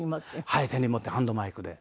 はい手に持ってハンドマイクで。